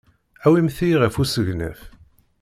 Awimt-iyi ɣer usegnaf.